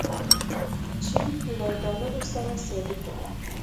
چین له ډالر سره سیالي کوي.